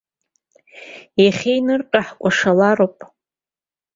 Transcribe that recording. Иахьеинырҟьо ҳкәашалароуп!